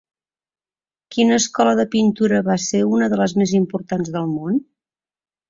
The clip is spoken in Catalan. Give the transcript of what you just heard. Quina escola de pintura va ser una de les més importants del món?